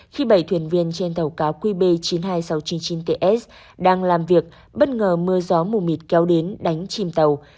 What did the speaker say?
khi bảy thuyền viên trên tàu cá qb chín mươi hai nghìn sáu trăm chín mươi chín ts đang làm việc bất ngờ mưa gió mù mịt kéo đến đánh chìm tàu